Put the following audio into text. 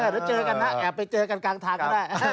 เดี๋ยวเจอกันนะแอบไปเจอกันกลางทางก็ได้